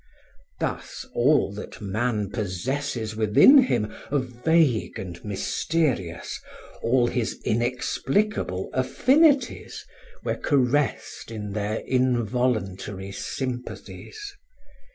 Thus all that man possesses within him of vague and mysterious, all his inexplicable affinities, were caressed in their involuntary sympathies.